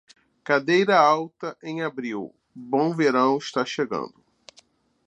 Cadeira alta em abril: bom verão está chegando.